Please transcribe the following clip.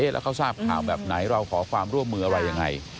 แล้วเขาทราบข่าวแบบไหนเราขอความร่วมมืออะไรยังไง